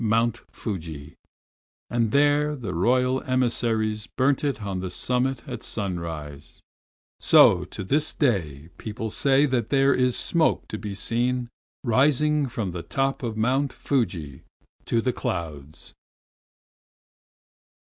Mount Fuji, and there the Royal emissaries burnt it on the summit at sunrise. So to this day people say there is smoke to be seen rising from the top of Mount Fuji to the clouds.